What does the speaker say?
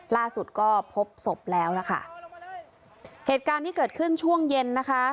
ล่าสุดก็พบศพแล้วนะคะเหตุการณ์ที่เกิดขึ้นช่วงเย็นนะคะ